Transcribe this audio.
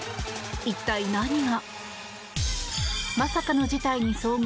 一体、何が。